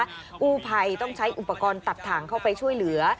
กู้ภัยต้องใช้อุปกรณ์ตัดถ่างเข้าไปช่วยเหลือ